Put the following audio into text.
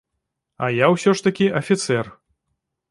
А я ўсё ж такі афіцэр.